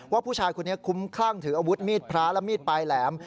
ว่าผู้ชายคนนี้คุ้มคลั่งถืออาวุธมีดพระและมีดปลายแหลม